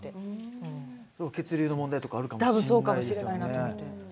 血流の問題とかあるかもしれないですよね。